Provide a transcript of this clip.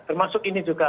termasuk ini juga